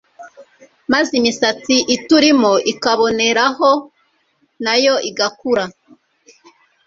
maze imisatsi iturimo ikaboneraho nayo igakura